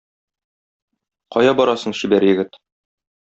Кая барасың, чибәр егет?